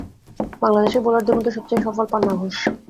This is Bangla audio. বাংলাদেশের বোলারদের মধ্যে সবচেয়ে সফল পান্না ঘোষ।